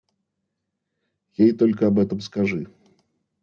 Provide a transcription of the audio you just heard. Ей только об этом скажи!